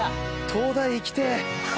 東大行きてえ！